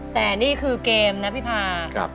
แต่นี่คือเกมนะพี่พา